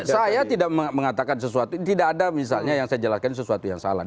saya tidak mengatakan sesuatu tidak ada misalnya yang saya jelaskan sesuatu yang salah